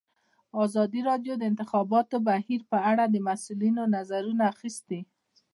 ازادي راډیو د د انتخاباتو بهیر په اړه د مسؤلینو نظرونه اخیستي.